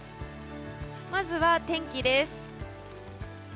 まずは天気です。